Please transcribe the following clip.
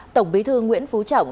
tổng bí thư nguyễn phú trọng